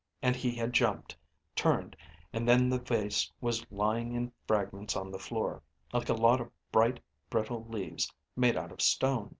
and he had jumped, turned, and then the vase was lying in fragments on the floor, like a lot of bright, brittle leaves made out of stone.